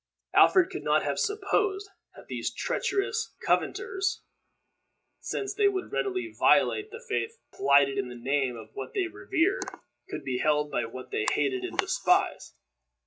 Alfred could not have supposed that these treacherous covenanters, since they would readily violate the faith plighted in the name of what they revered, could be held by what they hated and despised.